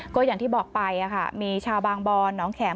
ก็อย่างที่บอกไปมีชาวบางบอนน้องแขม